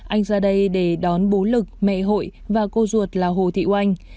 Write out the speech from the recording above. anh ra đây để đón bố lực mẹ hội và cô ruột là hồ thị oanh